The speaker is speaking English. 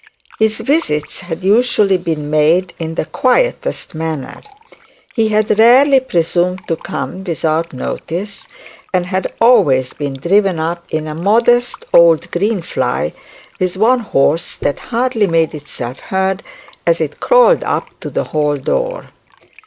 His visits had usually been made in the quietest manner; he had rarely presumed to come without notice, and had always been driven up in a modest old green fly, with one horse, that hardly made itself heard as it crawled up to the hall door.